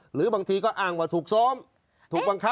หรือบางทีก็อ้างว่าถูกซ้อมถูกบังคับ